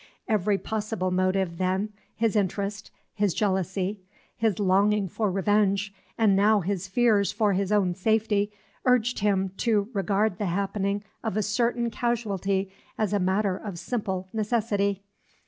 Every possible motive, then, his interest, his jealousy, his longing for revenge, and now his fears for his own safety, urged him to regard the happening of a certain casualty as a matter of simple necessity.